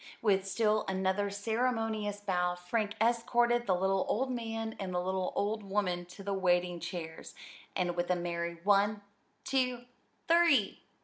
With still another ceremonious bow Frank escorted the little old man and the little old woman to the waiting chairs, and with a merry "One, two, three!"